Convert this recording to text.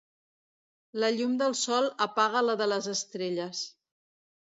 La llum del sol apaga la de les estrelles.